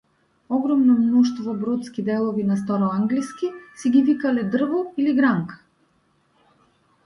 Огромно мноштво бродски делови на староанглиски си ги викале дрво или гранка.